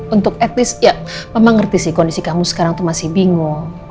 untuk at least ya mama ngerti sih kondisi kamu sekarang tuh masih bingung